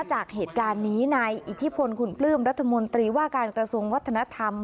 จากเหตุการณ์นี้นายอิทธิพลคุณปลื้มรัฐมนตรีว่าการกระทรวงวัฒนธรรม